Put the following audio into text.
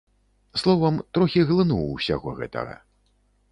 Словам, трохі глынуў усяго гэтага.